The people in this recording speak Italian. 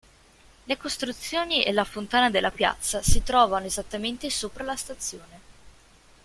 Le costruzioni e la fontana della piazza si trovano esattamente sopra la stazione.